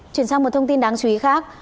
chuyển sang một thông tin đáng chú ý khác